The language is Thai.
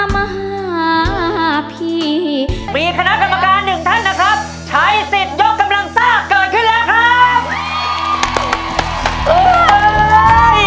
มาหาพี่มีคณะกรรมการหนึ่งท่านนะครับใช้สิทธิ์ยกกำลังซ่าเกิดขึ้นแล้วครับ